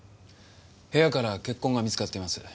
部屋から血痕が見つかっています。